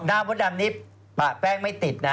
หน้ามุ้นดำนี่แป๊งไม่ติดนะ